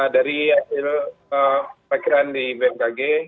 ya dari hasil perkiraan di bmkg